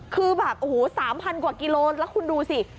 คือแบบ๓๐๐๐กว่ากิโลแล้วคุณดูสิ